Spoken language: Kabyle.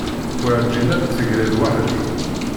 Werǧin ad d-tegriḍ weḥd-k.